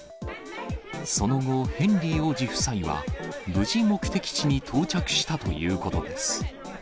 その後、ヘンリー王子夫妻は、無事目的地に到着したということです。